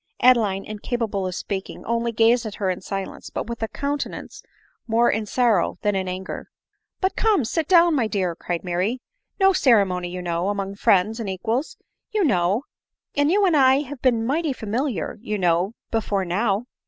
Adeline, incapable of speaking, only gazed at her in silence, but with a countenence more in sorrow than in anger: '" But, come, sit down, my dear/' cried Mary ;" no ceremony, you know, among friends and equals, you know ; and you and I have been mighty familiar, you know, before now.